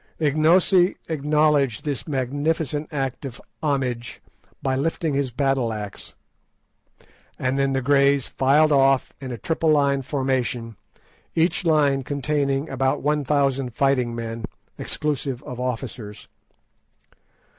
Ignosi acknowledged this magnificent act of homage by lifting his battle axe, and then the Greys filed off in a triple line formation, each line containing about one thousand fighting men, exclusive of officers.